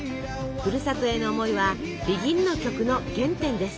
ふるさとへの思いはＢＥＧＩＮの曲の原点です。